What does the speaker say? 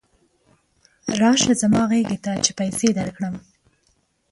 راشه زما غېږې ته چې پیسې درکړم.